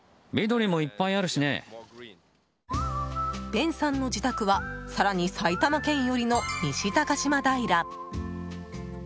ベンさんの自宅は更に埼玉県寄りの西高島平。